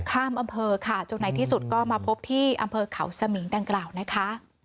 ข้ามอำเภอค่ะจนในที่สุดก็มาพบที่อำเภอเขาสมิงดังกล่าวนะคะ